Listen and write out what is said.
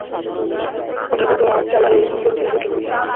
প্রথাগত আটচালা এই মন্দিরটি দক্ষিণমুখী।